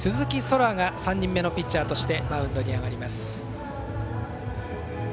天が３人目のピッチャーとしてマウンドに上がります。